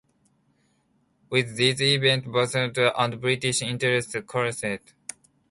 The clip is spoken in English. With these events, Bhutanese and British interests coalesced.